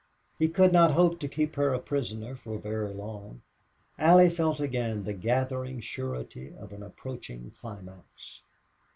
He could not hope to keep her a prisoner for very long. Allie felt again the gathering surety of an approaching climax.